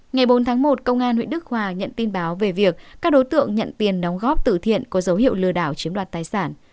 ngày bốn tháng một công an huyện đức hòa nhận tin báo về việc các đối tượng nhận tiền đóng góp tử thiện có dấu hiệu lừa đảo chiếm đoạt tài sản